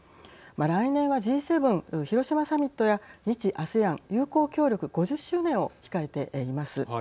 来年はＧ７広島サミットや日ＡＳＥＡＮ友好協力５０周年を控えています。